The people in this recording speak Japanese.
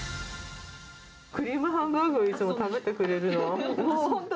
クリームハンバーグ、いつも食べてくれるの。